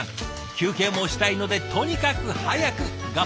休憩もしたいので「とにかく早く」がポイント。